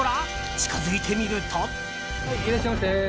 近づいてみると。